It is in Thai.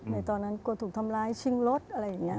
ในตอนนั้นกลัวถูกทำร้ายชิงรถอะไรอย่างนี้